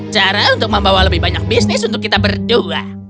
cara untuk membawa lebih banyak bisnis untuk kita berdua